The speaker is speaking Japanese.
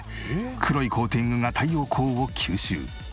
黒いコーティングが太陽光を吸収。